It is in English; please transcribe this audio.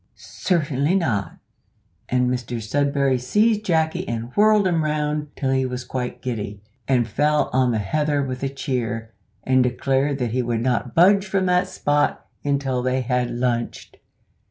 "Certainly not!" and Mr Sudberry seized Jacky and whirled him round till he was quite giddy, and fell on the heather with a cheer, and declared that he would not budge from that spot until they had lunched.